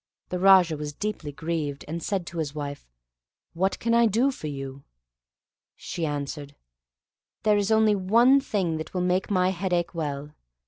The Raja was deeply grieved, and said to his wife, "What can I do for you?" She answered, "There is only one thing that will make my headache well.